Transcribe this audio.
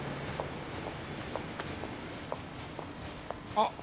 あっ！